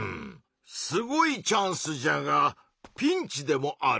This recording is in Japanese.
すごいチャンスじゃがピンチでもあるのう。